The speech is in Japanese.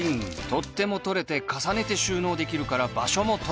取っ手も取れて重ねて収納できるから場所も取らない！